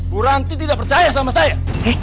buranti tidak percaya sama saya